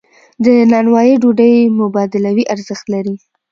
د نانوایی ډوډۍ مبادلوي ارزښت لري.